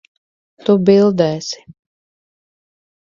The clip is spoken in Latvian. Tu bildēsi.